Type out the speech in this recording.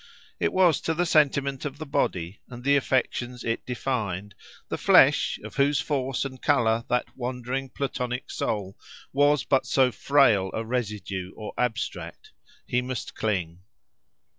It was to the sentiment of the body, and the affections it defined—the flesh, of whose force and colour that wandering Platonic soul was but so frail a residue or abstract—he must cling.